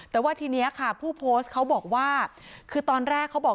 แต่ว่าทีนี้ค่ะผู้โพสต์เขาบอกว่าคือตอนแรกเขาบอก